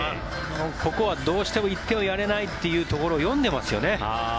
ここはどうしても１点をやれないというところを読んでいますよね。